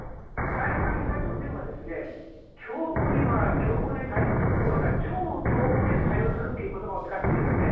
再三、北朝鮮は強硬には強硬で対応するどころか超強硬で対応するという言葉を使っているんですね。